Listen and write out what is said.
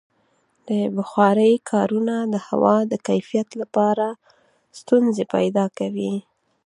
د بخارۍ کارونه د هوا د کیفیت لپاره ستونزې پیدا کوي.